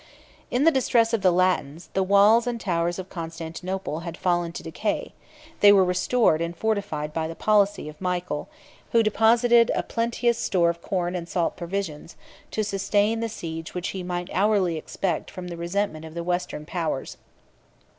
In the distress of the Latins, the walls and towers of Constantinople had fallen to decay: they were restored and fortified by the policy of Michael, who deposited a plenteous store of corn and salt provisions, to sustain the siege which he might hourly expect from the resentment of the Western powers.